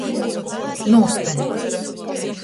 Nūstyn.